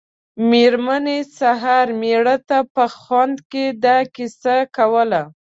مېرمنې سهار مېړه ته په خوند دا کیسه کوله.